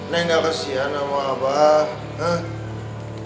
neng gak kesian sama abah